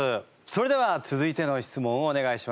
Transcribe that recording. それでは続いての質問をお願いします。